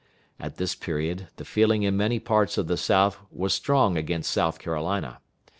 At this period the feeling in many parts of the South was strong against South Carolina.